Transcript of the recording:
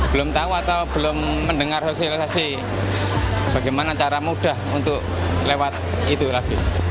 belum tahu atau belum mendengar sosialisasi bagaimana cara mudah untuk lewat itu lagi